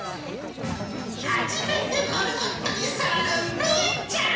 初めてモルモットに触るるいちゃん。